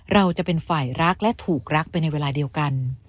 เราจะเป็นฝ่ายรักและถูกรักไปในเวลาเดียวกัน